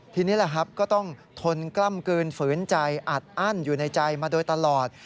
ทีนี้แหละครับก็ต้องทนกล้ำกลืนฝืนใจอัดอั้นอยู่ในใจมาโดยตลอด